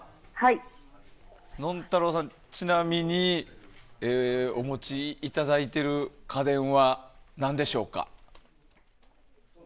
のんたろうさん、ちなみにお持ちいただいている家電は何でしょうか。